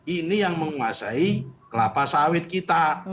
ini yang menguasai kelapa sawit kita